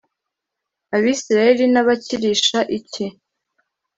abisirayeli nabakirisha iki